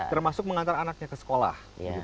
termasuk mengantar anaknya ke sekolah